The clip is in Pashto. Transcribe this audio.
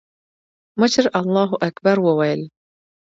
مشر الله اکبر وويل.